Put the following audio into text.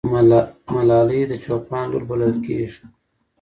ملالۍ د چوپان لور بلل کېږي.